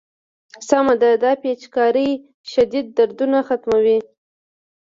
سمه ده دا پيچکارۍ شديد دردونه ختموي.